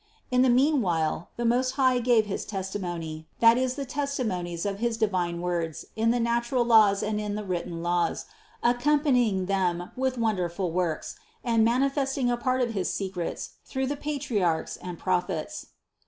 In the meanwhile the Most High gave his testament, that is the testimonies of his divine words in the natural laws and in the written laws, accompanying them with won derful works and manifesting a part of his secrets through the Patriarchs and Prophets.